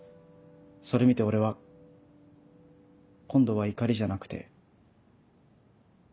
それ見て俺は今度は怒りじゃなくて。